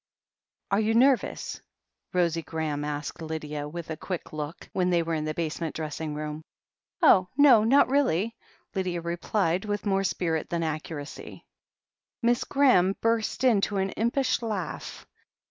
"Are you nervous?" Rosie Graham asked Lydia with a quick look, when they were in the basement dressing room. "Oh, no, not really," Lydia replied, with more spirit than accuracy. Miss Graham burst into an impish laugh.